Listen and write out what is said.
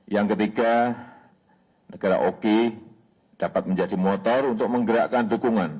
yang ketiga negara oki dapat menjadi motor untuk menggerakkan dukungan